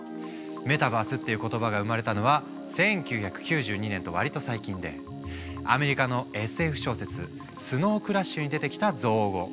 メタバースっていう言葉が生まれたのは１９９２年と割と最近でアメリカのＳＦ小説「スノウ・クラッシュ」に出てきた造語。